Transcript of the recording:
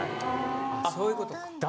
そういうことか。